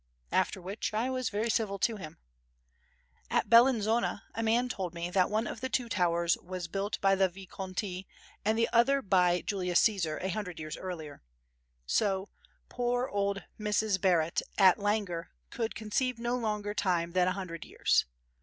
After which I was very civil to him. At Bellinzona a man told me that one of the two towers was built by the Visconti and the other by Julius Cæsar, a hundred years earlier. So, poor old Mrs. Barratt at Langar could conceive no longer time than a hundred years.